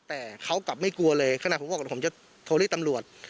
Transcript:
แต่เขากลับไม่กลัวเลยขนาดผมบอกผมจะโทรเรียกตำรวจ